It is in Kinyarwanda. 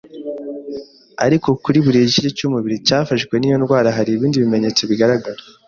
ariko kuri buri gice cy’umubiri cyafashwe n’iyo ndwara hari ibindi bimenyetso bigaraga.